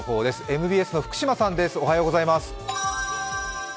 ＭＢＳの福島さんです。